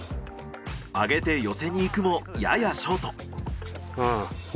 上げて寄せにいくもややショート。